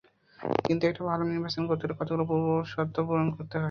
কিন্তু একটি ভালো নির্বাচন করতে হলে কতগুলো পূর্বশর্ত পূরণ করতে হয়।